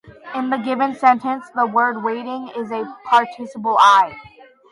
In the given sentence, the word "waiting" is a participle I.